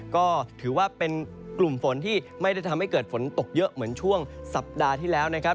ก็ถือว่าเป็นกลุ่มฝนที่ไม่ได้ทำให้เกิดฝนตกเยอะเหมือนช่วงสัปดาห์ที่แล้วนะครับ